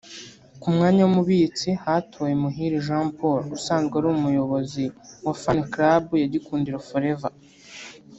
ku mwanya w’umubitsi hatowe Muhire Jean Paul usanzwe ari Umuyobozi wa Fan Club ya Gikundiro Forever